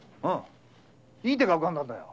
いい手がうかんだんだ。